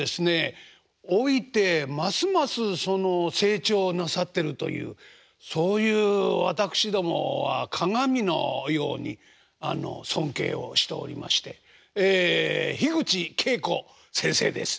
老いてますますその成長なさってるというそういう私どもは鑑のように尊敬をしておりまして口恵子先生です。